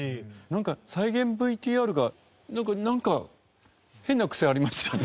なんか再現ＶＴＲがなんか変な癖ありましたよね。